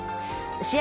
試合